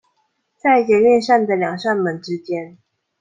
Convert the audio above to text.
在捷運上的兩扇門之間